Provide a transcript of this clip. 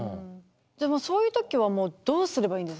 そういう時はもうどうすればいいんですか？